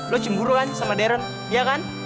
lo cemburu kan sama deren ya kan